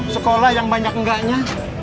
sekolah yang banyak enggaknya